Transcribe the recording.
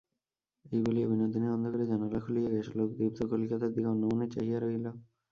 এই বলিয়া বিনোদিনী অন্ধকারে জানালা খুলিয়া গ্যাসালোকদীপ্ত কলিকাতার দিকে অন্যমনে চাহিয়া রহিল।